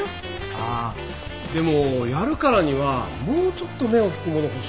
あっでもやるからにはもうちょっと目を引くもの欲しいなあ。